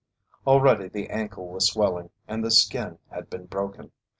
Already the ankle was swelling and skin had been broken.